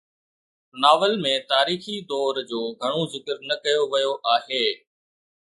novel ۾ تاريخي دور جو گهڻو ذڪر نه ڪيو ويو آهي